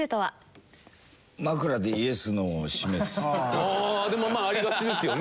ああでもまあありがちですよね。